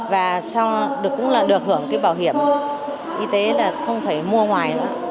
và sau đó cũng được hưởng bảo hiểm y tế là không phải mua ngoài nữa